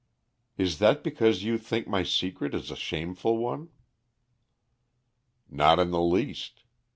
"Is that because you think my secret is a shameful one?" "Not in the least.